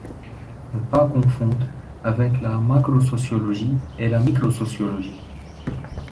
Ne pas confondre avec la macrosociologie et la microsociologie.